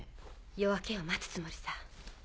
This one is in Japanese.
夜明けを待つつもりさ。